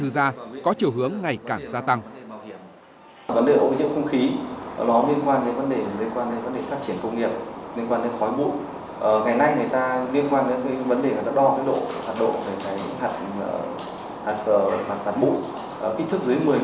và có thể gây bệnh ung thư